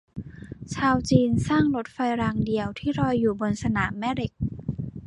ชาวจีนสร้างรถไฟรางเดี่ยวที่ลอยอยู่บนสนามแม่เหล็ก